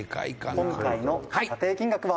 「今回の査定金額は」